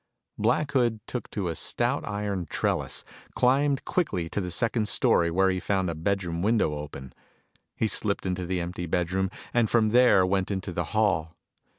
Black Hood took to a stout iron trellis, climbed quickly to the second story where he found a bedroom window open. He slipped into the empty bedroom and from there went into the hall.